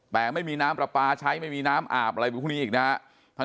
แต่ไม่มีน้ำปลาปลาใช้ไม่มีน้ำอาบอะไรพวกนี้อีกนะฮะ